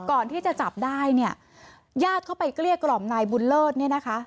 ก่อนที่จะจับได้เนี่ยญาติเข้าไปเกลี้ยกล่อมนายบุญเลิศเนี่ยนะคะ